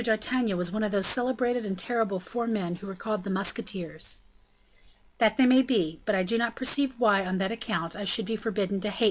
d'Artagnan was one of those celebrated and terrible four men who were called the musketeers." "That they may be; but I do not perceive why, on that account, I should be forbidden to hate M.